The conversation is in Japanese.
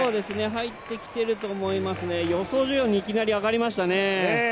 入ってきていると思いますね、予想順位より、いきなり上がりましたね。